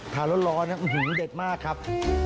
ร้อนเด็ดมากครับ